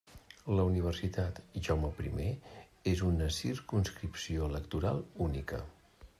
La Universitat Jaume primer és una circumscripció electoral única.